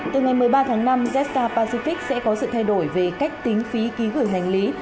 từ ngày một mươi ba tháng năm jetstar pacific sẽ có sự thay đổi về cách tính phí ký gửi hành lý